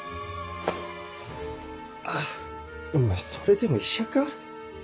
あぁお前それでも医者か？